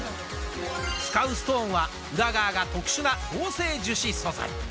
使うストーンは、裏側が特殊な合成樹脂素材。